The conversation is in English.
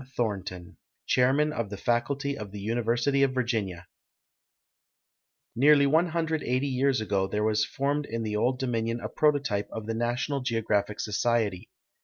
Thornton, Chairman of the Faculty of the University of Virginia Nearly 180 years ago there was formed in the Old Dominion a prototype of the National Geographic Society.